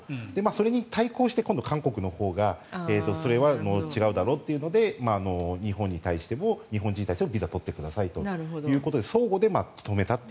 それに対抗して今度は韓国のほうがそれは違うだろうというので日本に対しても日本人に対してもビザを取ってくださいと今、そうですよね。